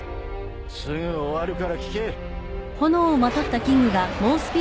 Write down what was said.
すぐ終わるから聞け。